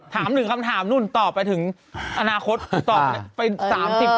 ถามหนึ่งคำถามนู้นต่อไปถึงอนาคต